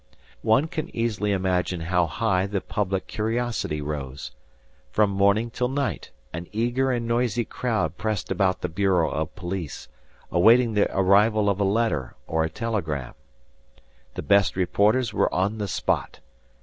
One can easily imagine how high the public curiosity rose. From morning till night, an eager and noisy crowd pressed about the bureau of police, awaiting the arrival of a letter or a telegram. The best reporters were on the spot.